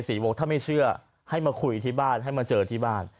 วงถ้าไม่เชื่อให้มาคุยที่บ้านให้มาเจอที่บ้าน